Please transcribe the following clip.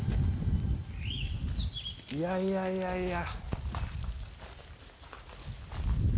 いやいやいやいや。